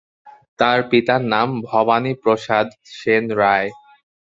তার পিতার নাম ভবানী প্রসাদ সেন রায়।